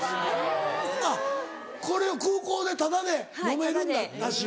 あっこれを空港でタダで飲めるんだダシを。